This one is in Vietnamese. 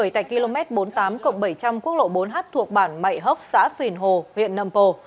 tại km bốn mươi tám bảy trăm linh quốc lộ bốn h thuộc bản mậy hốc xã phìn hồ huyện nậm pồ